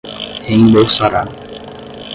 reembolsará